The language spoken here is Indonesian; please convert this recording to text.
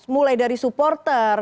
mulai dari supporter